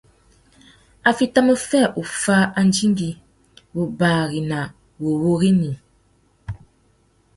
A fitimú fê uffá andingui, wubari nà wuwúrrini.